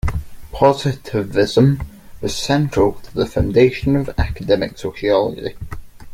Positivism was central to the foundation of academic sociology.